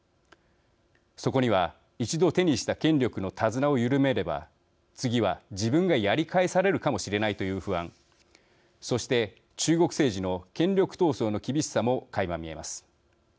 そこには一度、手にした権力の手綱を緩めれば次は自分がやり返されるかもしれないという不安そして、中国政治の権力闘争の厳しさも、かいま見えます。